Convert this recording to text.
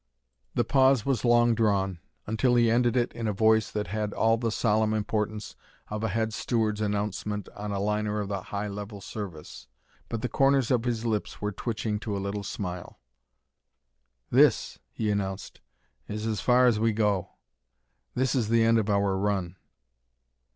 The pause was long drawn, until he ended it in a voice that had all the solemn importance of a head steward's announcement on a liner of the high level service. But the corners of his lips were twitching to a little smile. "This," he announced, "is as far as we go. This is the end of our run."